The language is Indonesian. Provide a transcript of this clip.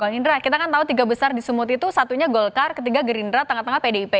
bang indra kita kan tahu tiga besar di sumut itu satunya golkar ketiga gerindra tengah tengah pdip